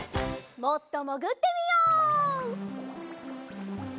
もっともぐってみよう。